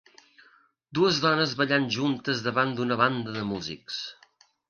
Dues dones ballant juntes davant d"una banda de músics.